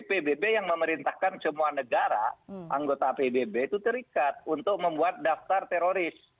pbb yang memerintahkan semua negara anggota pbb itu terikat untuk membuat daftar teroris